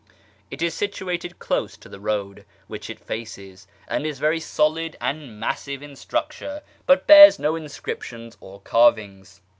It is situated close to the road, which it faces, and is very solid and massive in structure, but bears no inscriptions or carvings.